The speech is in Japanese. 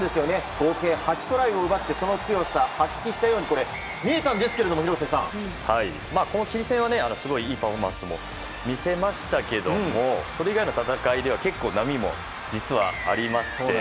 合計８トライを奪って、強さを発揮したように見えたんですがこのチリ戦はいいパフォーマンスを見せましたがそれ以外の戦いでは実は結構波もありまして。